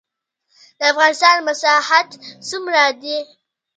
د افغانستان مساحت څومره دی؟